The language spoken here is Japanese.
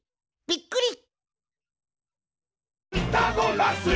びっくり！